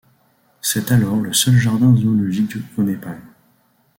C'est alors le seul jardin zoologique au Népal.